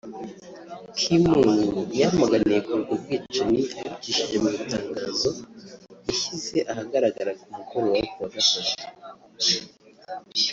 Ki Moon yamaganiye kure ubwo bwicanyi abicishije mu itangazo yashyize ahagaragara ku mugoroba wo kuwa Gatatu